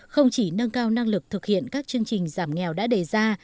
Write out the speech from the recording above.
không chỉ nâng cao năng lực thực hiện các chương trình giảm nghèo đã đề ra